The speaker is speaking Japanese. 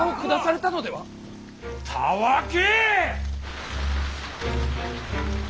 たわけ！